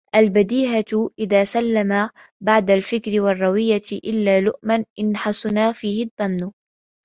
الْبَدِيهَةُ إذَا سَلَّمَ بَعْدَ الْفِكْرِ وَالرَّوِيَّةِ إلَّا لُؤْمًا إنْ حَسُنَ فِيهِ الظَّنُّ